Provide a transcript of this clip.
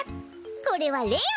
これはレよ！